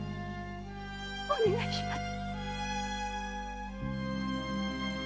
お願いします！